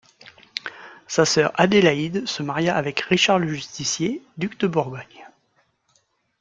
Sa sœur Adélaïde se maria avec Richard le Justicier, duc de Bourgogne.